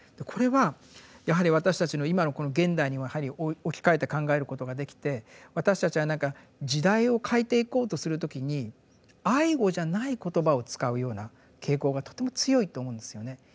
これはやはり私たちの今のこの現代にやはり置き換えて考えることができて私たちは何か時代を変えていこうとする時に「愛語」じゃない言葉をつかうような傾向がとても強いと思うんですよね。